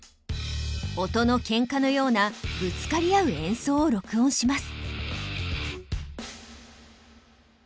音の喧嘩のようなぶつかり合う演奏を録音します。